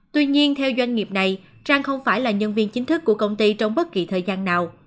tuy nhiên theo doanh nghiệp này trang không phải là nhân viên chính thức của công ty trong bất kỳ thời gian nào